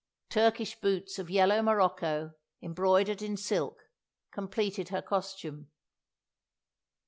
Turkish boots of yellow morocco, embroidered in silk, completed her costume.